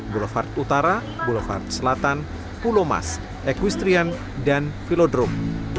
boulevard utara boulevard selatan pulomas ekwistrian dan filodrom